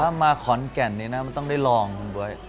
ถ้ามาขอนแก่นนี้นะมันต้องได้ลองคุณบ๊วย